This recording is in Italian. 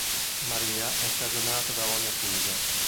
Maria è scagionata da ogni accusa.